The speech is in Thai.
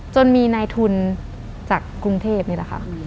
จนมีนายทุนจากกรุงเทพนี่แหละค่ะ